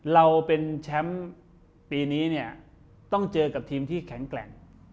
เราเป็นแชมป์ปีนี้เนี่ยต้องเจอกับทีมที่แข็งแกร่ง